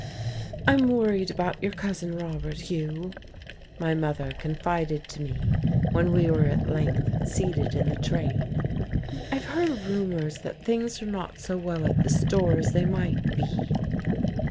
"I'm worried about your Cousin Robert, Hugh," my mother confided to me, when we were at length seated in the train. "I've heard rumours that things are not so well at the store as they might be."